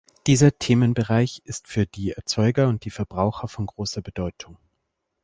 Dieser Themenbereich ist für die Erzeuger und die Verbraucher von großer Bedeutung.